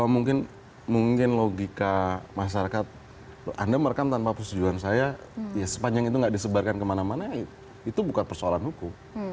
mungkin logika masyarakat anda merekam tanpa persetujuan saya ya sepanjang itu nggak disebarkan kemana mana itu bukan persoalan hukum